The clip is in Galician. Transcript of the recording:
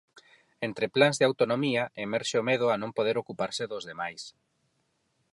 Entre plans de autonomía, emerxe o medo a non poder ocuparse dos demais.